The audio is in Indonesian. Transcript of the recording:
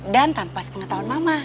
dan tanpa pengetahuan mama